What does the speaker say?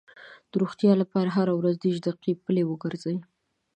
د روغتیا لپاره هره ورځ دېرش دقیقې پلي وګرځئ.